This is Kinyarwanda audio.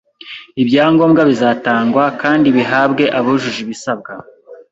Ibya ngombwa bizatangwa kandi bihabwe abujuje ibisabwa